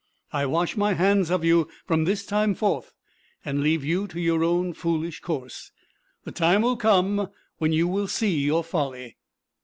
I wash my hands of you from this time forth, and leave you to your own foolish course. The time will come when you will see your folly.